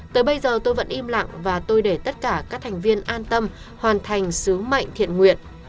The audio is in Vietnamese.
tới bây giờ tôi vẫn im lặng và tôi để tất cả các thành viên an tâm hoàn thành sứ mệnh thiện nguyện